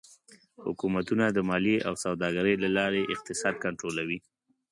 حکومتونه د مالیې او سوداګرۍ له لارې اقتصاد کنټرولوي.